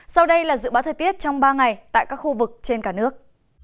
sau đây là dự báo thời tiết trong ba ngày tại các khu vực trên cả nước